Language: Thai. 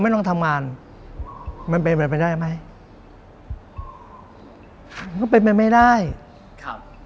ต้องทำงานมันเป็นไปได้ไหมมันก็เป็นไปไม่ได้ครับ